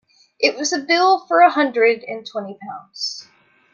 It was a bill for a hundred and twenty pounds.